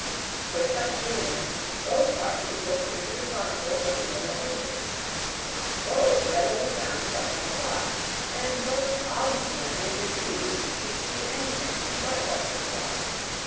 With such feelings, both parties looked into the chronicles of the middle ages. Both readily found what they sought; and both obstinately refused to see anything but what they sought.